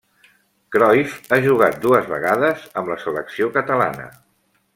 Cruyff ha jugat dues vegades amb la selecció catalana.